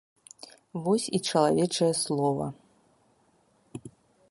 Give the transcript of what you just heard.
Вось і чалавечае слова!